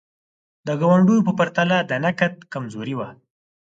د ګاونډیو په پرتله د نقد کمزوري وه.